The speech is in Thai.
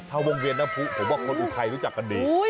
เท่าวงเวียนนับพุธผมว่าคนอุทัยรู้จักกันดี